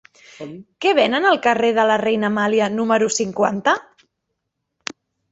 Què venen al carrer de la Reina Amàlia número cinquanta?